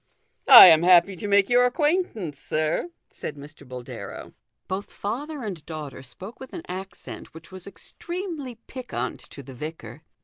" I am happy to make your acquaintance, sir," said Mr. Boldero. Both father and daughter spoke with an accent which was extremely piquant to the vicar.